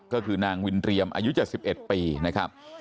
ก็คือนางวินเรียมอายุ๗๑ปีนะครับ